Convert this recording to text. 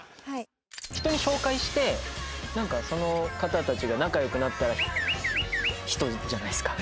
人に紹介してなんかその方たちが仲良くなったら人じゃないですか。